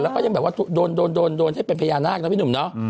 แล้วก็ยังแบบว่าโดนให้เป็นพญานาคนะพี่หนุ่มเนาะ